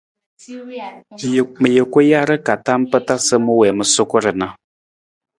Ma juku jar ka tam mpa ma wii ma suku ra na.